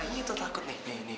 ini tuh takut nih